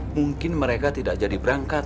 mungkin mereka tidak jadi berangkat